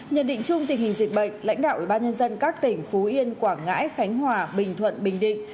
nhận định chung tình hình dịch bệnh lãnh đạo ủy ban nhân dân các tỉnh phú yên quảng ngãi khánh hòa bình thuận bình định